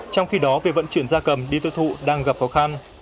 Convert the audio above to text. trong khi đó về vận chuyển giá cầm đi tiêu thụ đang gặp khó khăn